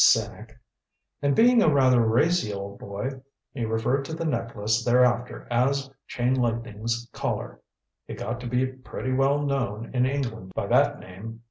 "Cynic. And being a rather racy old boy, he referred to the necklace thereafter as Chain Lightning's Collar. It got to be pretty well known in England by that name.